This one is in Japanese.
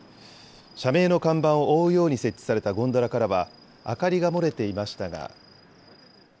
社名の看板を覆うように設置されたゴンドラからは、明かりが漏れていましたが。